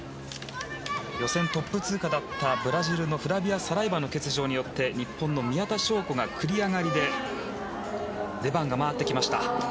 予選トップ通過だったブラジルのフラビア・サライバの欠場によって日本の宮田笙子が繰り上がりで出番が回ってきました。